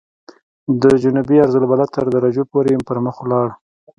د جنوبي عرض البلد تر درجو پورې پرمخ ولاړ.